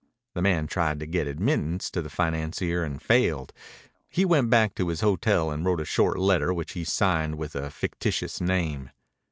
The man tried to get admittance to the financier and failed. He went back to his hotel and wrote a short letter which he signed with a fictitious name.